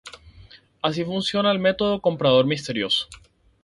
Así funciona el método comprador misterioso